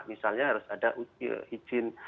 misalnya harus ada izin